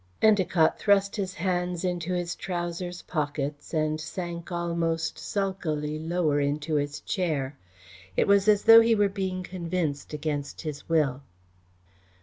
Endacott thrust his hands into his trousers pockets and sank almost sulkily lower into his chair. It was as though he were being convinced against his will.